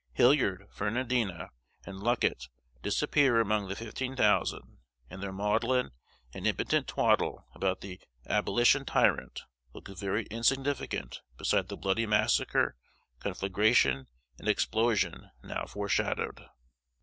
Hilliard, Ferrandina, and Luckett disappear among the "fifteen thousand;" and their maudlin and impotent twaddle about the "abolition tyrant" looks very insignificant beside the bloody massacre, conflagration, and explosion now foreshadowed.